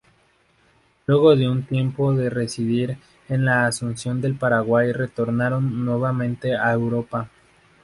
Luego de un tiempo de residir en Asunción del Paraguay retornaron nuevamente a Europa.